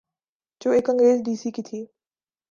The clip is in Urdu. جو ایک انگریز ڈی سی کی تھی۔